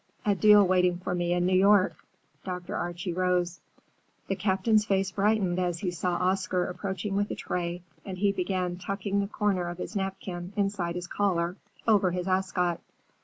A deal waiting for me in New York." Dr. Archie rose. The Captain's face brightened as he saw Oscar approaching with a tray, and he began tucking the corner of his napkin inside his collar, over his ascot.